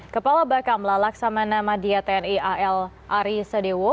kepala bakamla laksamana madia tni al ari sedewo